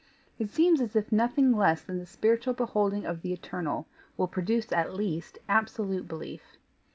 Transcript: It seems as if nothing less than the spiritual beholding of the Eternal will produce at least absolute belief.